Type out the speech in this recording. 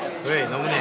飲むね。